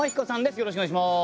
よろしくお願いします。